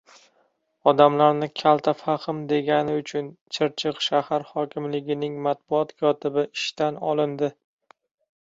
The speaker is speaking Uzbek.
Odamlarni "kaltafahm" degani uchun Chirchiq shahar hokimligining matbuot kotibi ishdan olindi